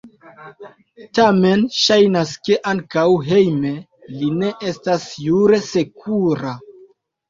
Tamen ŝajnas, ke ankaŭ hejme li ne estas jure sekura.